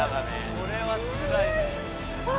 これはつらいね。